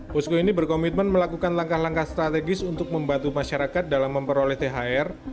posko ini berkomitmen melakukan langkah langkah strategis untuk membantu masyarakat dalam memperoleh thr